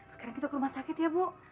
sekarang kita ke rumah sakit ya bu